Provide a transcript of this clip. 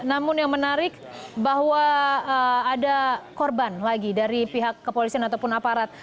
namun yang menarik bahwa ada korban lagi dari pihak kepolisian ataupun aparat